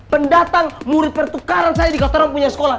pendatang murid pertukaran saya di katarong punya sekolah